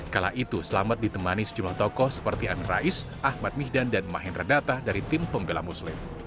kala itu selamat ditemani sejumlah tokoh seperti amir rais ahmad mihdan dan mahin redata dari tim pembelah muslim